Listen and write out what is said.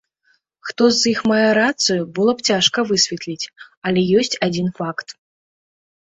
Хто з іх мае рацыю, было б цяжка высветліць, але ёсць адзін факт.